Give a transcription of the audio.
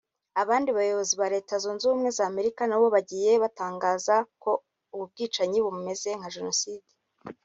Abandi bayobozi ba Leta Zunze Ubumwe za Amerika nabo bagiye batangaza ko ubu bwicanyi bumeze nka Jenoside